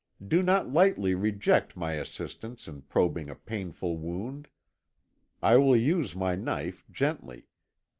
Do not lightly reject my assistance in probing a painful wound. I will use my knife gently.